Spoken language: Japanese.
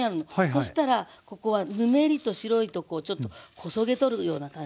そしたらここはぬめりと白いとこをちょっとこそげ取るような感じ。